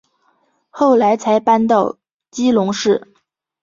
后来才搬到基隆市。